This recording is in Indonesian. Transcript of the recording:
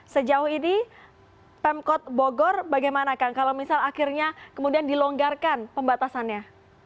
sejauh ini pemkot bogor bagaimana kang kalau misal akhirnya kemudian dilonggarkan pembatasannya